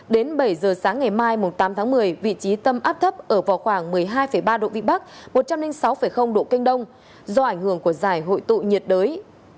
đến bảy giờ sáng ngày mai tám tháng một mươi vị trí tâm áp thấp ở vào khoảng một mươi hai ba độ vn một trăm linh sáu độ k do ảnh hưởng của giải hội tụ nhiệt đới